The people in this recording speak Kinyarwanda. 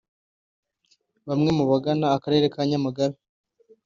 Bamwe mu bagana akarere ka Nyamagabe